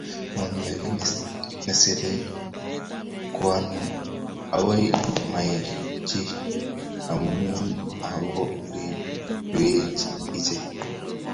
Mami age nesire Kwan ago mamaenyi amugigoribech iche